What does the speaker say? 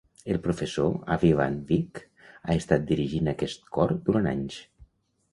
El professor Awie van Wyk ha estat dirigint aquest cor durant anys.